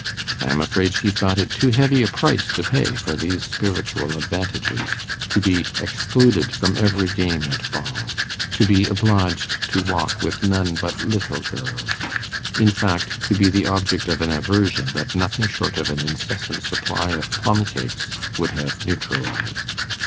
I am afraid she thought it too heavy a price to pay for these spiritual advantages, to be excluded from every game at ball to be obliged to walk with none but little girls in fact, to be the object of an aversion that nothing short of an incessant supply of plumcakes would have neutralized.